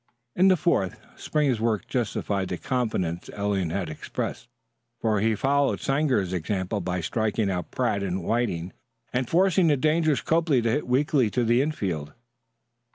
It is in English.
In the fourth Springer's work justified the confidence Eliot had expressed, for he followed Sanger's example by striking out Pratt and Whiting and forcing the dangerous Copley to hit weakly to the infield.